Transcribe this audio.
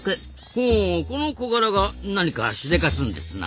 ほうこのコガラが何かしでかすんですな？